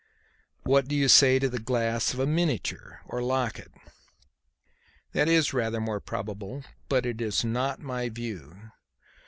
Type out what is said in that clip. "What do you say to the glass of a miniature or locket?" "That is rather more probable, but it is not my view."